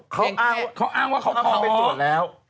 เขาอ้างว่าเขาทองไปตรวจแล้ว